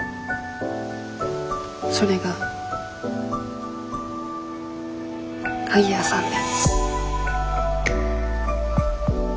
それが鍵谷さんで。